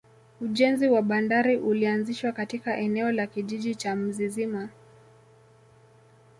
ujenzi wa bandari ulianzishwa katika eneo la kijiji cha mzizima